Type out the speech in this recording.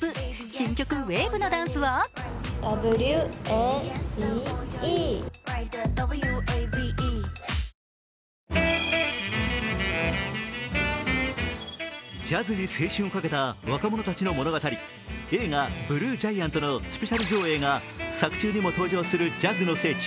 新曲「ＷＡＶＥ」のダンスはジャズに青春をかけた若者たちの物語、映画「ＢＬＵＥＧＩＡＮＴ」のスペシャル上映が作中にも登場するジャズの聖地